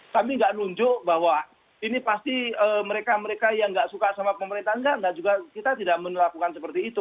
kami nggak nunjuk bahwa ini pasti mereka mereka yang nggak suka sama pemerintah enggak juga kita tidak melakukan seperti itu